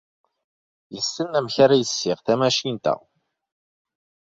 Yessen amek ara yessiɣ tamacint-a.